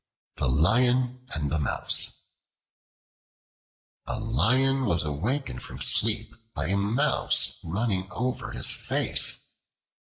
The Lion And The Mouse A LION was awakened from sleep by a Mouse running over his face.